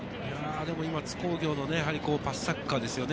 今、でも津工業のパスサッカーですね。